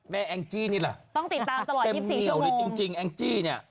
แม่แอ็งจี้นี่ล่ะต้องติดตามตลอดที่สี่ชั่วโมงจริงจริงเองจี้เนี้ย